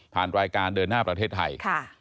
รายการเดินหน้าประเทศไทย